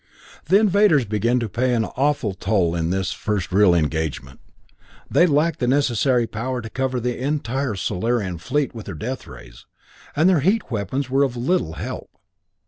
The invaders began to pay an awful toll in this their first real engagement. They lacked the necessary power to cover the entire Solarian fleet with their death rays, and their heat weapons were of little help.